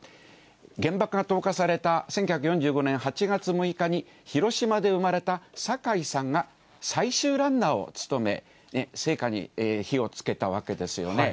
原爆が投下された１９４５年８月６日に広島で生まれた坂井さんが、最終ランナーを務め、聖火に火をつけたわけですよね。